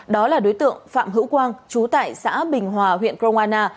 đó là đối tượng phạm hữu quang chú tại xã bình hòa huyện cromana